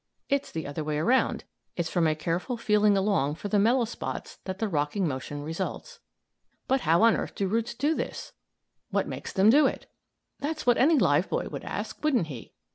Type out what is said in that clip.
It's the other way around; it's from a careful feeling along for the mellow places that the rocking motion results. "But how on earth do the roots do this? What makes them do it?" That's what any live boy would ask, wouldn't he?